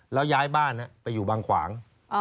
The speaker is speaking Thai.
แล้วย้ายบ้านไปอยู่บางขวาง